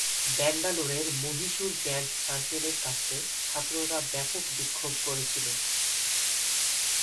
ব্যাঙ্গালোরের মহীশূর ব্যাংক সার্কেলের কাছে ছাত্ররা ব্যাপক বিক্ষোভ করেছিল।